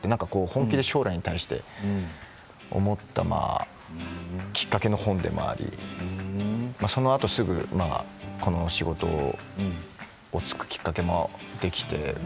本気で将来に対して思ったきっかけの本でもありそのあとすぐこの仕事に就くきっかけもできて。